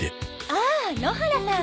ああ野原さん。